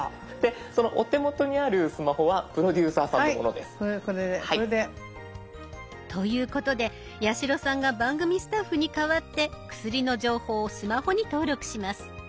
そのお手元にあるスマホはプロデューサーさんのものです。ということで八代さんが番組スタッフに代わって薬の情報をスマホに登録します。